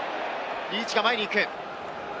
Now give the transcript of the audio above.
リーチが前に行く。